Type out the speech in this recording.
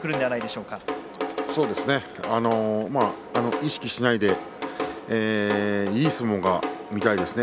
意識しないでいい相撲が見たいですね。